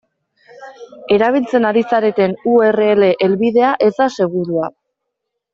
Erabiltzen ari zareten u erre ele helbidea ez da segurua.